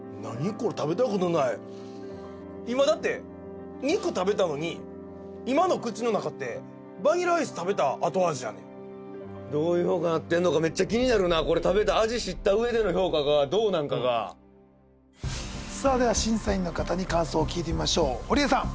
これ食べたことない今だって肉食べたのに今の口の中ってどういう評価なってんのかめっちゃ気になるなこれ食べた味知ったうえでの評価がどうなんかがさぁでは審査員の方に感想を聞いてみましょう堀江さん